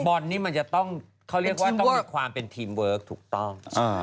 บอลนี่มันจะต้องเขาเรียกว่าต้องมีความเป็นทีมเวิร์คถูกต้อง